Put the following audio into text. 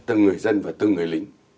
từng người dân và từng người lính